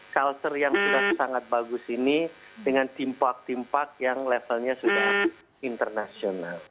culture yang sudah sangat bagus ini dengan timpark timpark yang levelnya sudah internasional